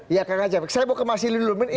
iya kak acap saya mau ke mas ili dulu